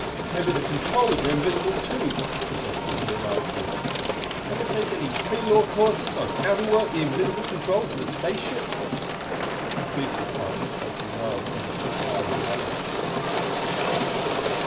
Maybe the controls are invisible, too!" he suggested with a wry grin. "Ever take any pre law courses on how to work the invisible controls of a space ship?" Clee's reply was spoken low, and was entirely irrelevant.